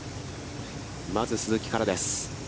まず鈴木からです。